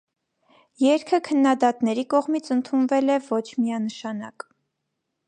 Երգը քննադատների կողմից ընդունվել է ոչ միանշանակ։